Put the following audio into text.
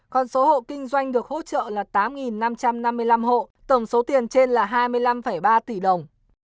còn số hộ kinh doanh được hỗ trợ là tám năm trăm năm mươi năm hộ tổng số tiền trên là hai mươi năm ba tỷ đồng